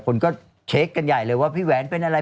คนก็เช็คกันใหญ่เลยว่าพี่แหวนเป็นอะไร